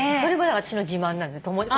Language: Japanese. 私の自慢なんです。